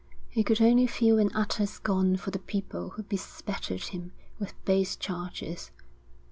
He could only feel an utter scorn for the people who bespattered him with base charges.